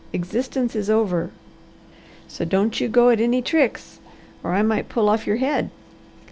Existence is over. So don't you go at any tricks or I might pull off your head.